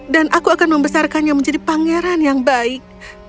dan aku akan membesarkannya menjadi pangeran yang baik